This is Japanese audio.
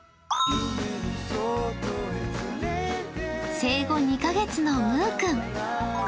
生後２カ月のむーくん。